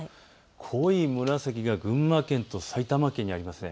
濃い紫が群馬県と埼玉県にあります。